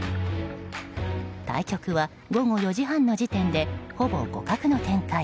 対局は、午後４時半の時点でほぼ互角の展開。